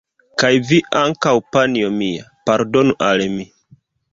Kaj vi ankaŭ, panjo mia, pardonu al mi!